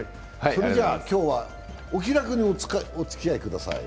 それじゃ、今日はお気楽におつきあいください。